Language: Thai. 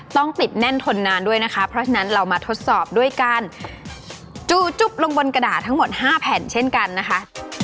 ต้องติดแน่นทนนานด้วยนะคะเพราะฉะนั้นเรามาทดสอบด้วยการจูจุ๊บลงบนกระดาษทั้งหมด๕แผ่นเช่นกันนะคะ